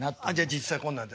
実際こんなんで。